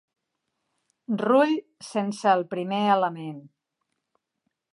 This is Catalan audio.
Rull sense el primer element.